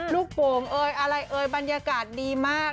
โป่งเอ่ยอะไรเอ่ยบรรยากาศดีมาก